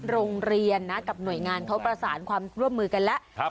โรงเรียนนะกับหน่วยงานเขาประสานความร่วมมือกันแล้ว